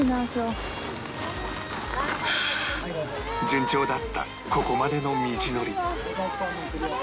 順調だったここまでの道のり